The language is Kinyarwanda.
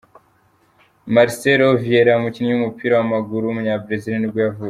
Marcelo Vieira, umukinnyi w’umupira w’amaguru w’umunyabrazil nibwo yavutse.